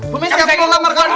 bu mes kita mau ngelamar kan dulu